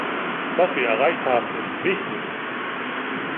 Was wir erreicht haben, ist wichtig.